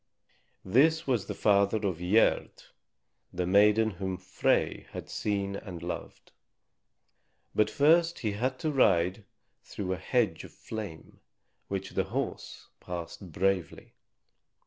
This was the father of Gerd, the maiden whom Frey had seen and loved. But first he had to ride through a hedge of flame, which the horse passed bravely.